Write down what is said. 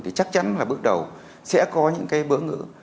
thì chắc chắn là bước đầu sẽ có những cái bỡ ngỡ